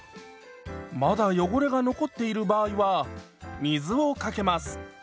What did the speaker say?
まだ汚れが残っている場合は水をかけます。